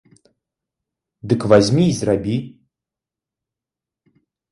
Дык вазьмі і зрабі!